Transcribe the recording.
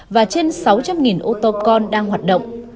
và trên sáu trăm linh ô tô con đang hoạt động